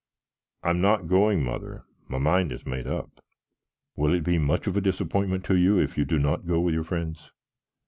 "I'm not going, mother. My mind is made up." "Will it be much of a disappointment to you if you do not go with your friends?"